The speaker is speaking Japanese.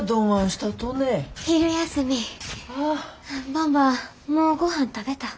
ばんばもうごはん食べた？